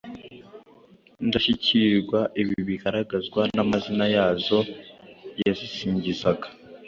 ndashyikirwa. Ibi bigaragazwa namazina yazo yazisingizaga,